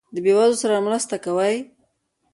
د بې وزلو سره مرسته کوئ؟